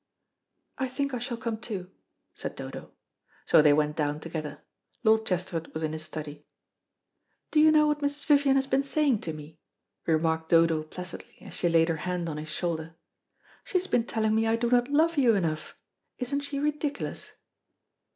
"I think I shall come too," said Dodo. So they went down together. Lord Chesterford was in his study. "Do you know what Mrs. Vivian has been saying to me?" remarked Dodo placidly, as she laid her hand on his shoulder. "She has been telling me I do not love you enough isn't she ridiculous?"